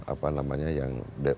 apa namanya yang bertahan